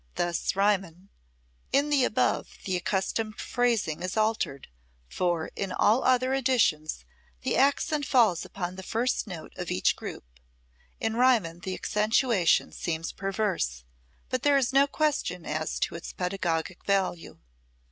Thus Riemann: [Musical score excerpt] In the above the accustomed phrasing is altered, for in all other editions the accent falls upon the first note of each group. In Riemann the accentuation seems perverse, but there is no question as to its pedagogic value.